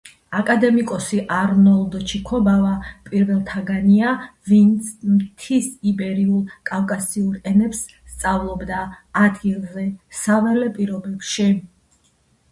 აკადემიკოსი არნოლდ ჩიქობავა პირველთაგანია, ვინც მთის იბერიულ-კავკასიურ ენებს სწავლობდა ადგილზე, საველე პირობებში.